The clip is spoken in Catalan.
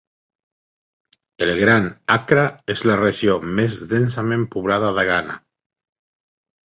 El Gran Accra és la regió més densament poblada de Ghana.